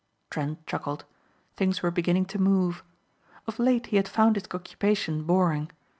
Trent chuckled. Things were beginning to move. Of late he had found his occupation boring.